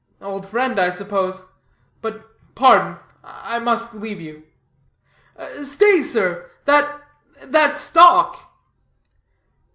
Old friend, I suppose. But pardon, I must leave you." "Stay, sir, that that stock."